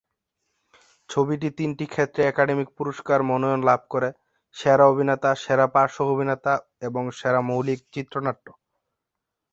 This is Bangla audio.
ছবিটি তিনটি ক্ষেত্রে একাডেমি পুরস্কার মনোনয়ন লাভ করে: সেরা অভিনেতা, সেরা পার্শ্ব অভিনেতা এবং সেরা মৌলিক চিত্রনাট্য।